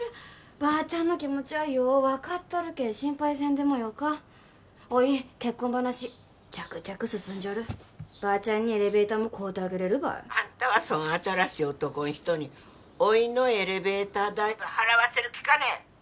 ばーちゃんの気持ちはよう分かっとるけん心配せんでもよかおい結婚話着々進んじょるばーちゃんにエレベーターも買うてあげれるばいあんたはそん新しい男ん人においのエレベーター代ば払わせる気かね？